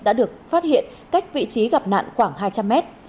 đã được phát hiện cách vị trí gặp nạn khoảng hai trăm linh mét